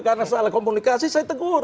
karena soal komunikasi saya tegur